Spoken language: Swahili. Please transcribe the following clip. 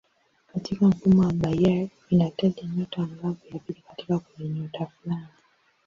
Katika mfumo wa Bayer inataja nyota angavu ya pili katika kundinyota fulani.